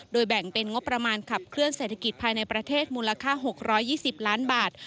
แบ่งเป็นงบประมาณขับเคลื่อเศรษฐกิจภายในประเทศมูลค่า๖๒๐ล้านบาท